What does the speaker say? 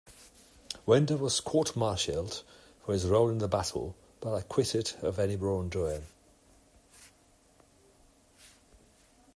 Winder was court-martialed for his role in the battle, but acquitted of any wrongdoing.